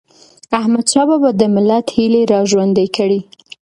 احمدشاه بابا د ملت هيلي را ژوندی کړي.